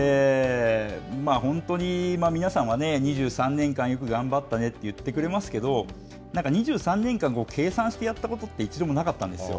本当に皆さんはね、２３年間よく頑張ったねと言ってくれますけど、なんか２３年間、計算してやったことって、一度もなかったんですよ。